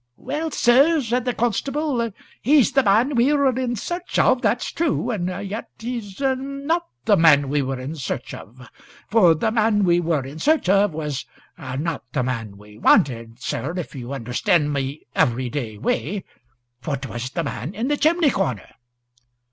"Well, sir," said the constable, "he's the man we were in search of, that's true; and yet he's not the man we were in search of. For the man we were in search of was not the man we wanted, sir, if you understand my every day way; for 't was the man in the chimney corner."